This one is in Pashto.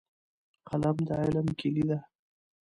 قلم د علم کیلي ده.